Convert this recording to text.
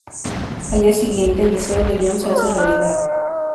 Al día siguiente, el deseo de John se hace realidad.